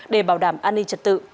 để bảo đảm an ninh trật tự